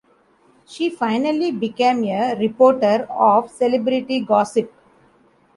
She finally became a reporter of celebrity gossip.